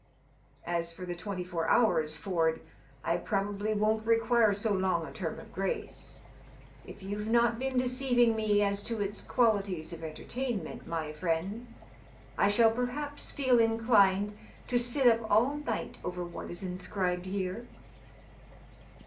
"As for the twenty four hours. Ford, I probably won't require so long a term of grace. If you've not been deceiving me as to its qualities of entertainment, my friend, I shall perhaps feel inclined to sit up all night over what is inscribed here."